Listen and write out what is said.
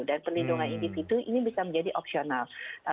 dan perlindungan individu ini bisa menjadi opsional